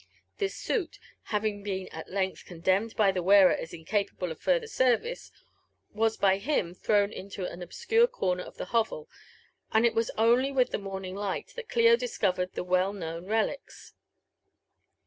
This suit, having been at length condemned by the wearer as incapable of further service, was by him thrown into an obscure corner of the hovel, and it was only with the morning light that Clio discovered the well known relics.